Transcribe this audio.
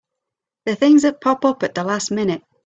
The things that pop up at the last minute!